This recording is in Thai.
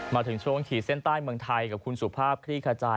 มาถึงช่วงขีดเส้นใต้เมืองไทยกับคุณสุภาพคลี่ขจาย